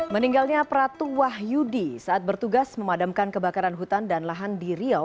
meninggalnya pratu wahyudi saat bertugas memadamkan kebakaran hutan dan lahan di riau